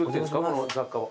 この雑貨は。